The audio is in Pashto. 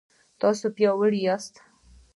تاسو پیاوړي یاست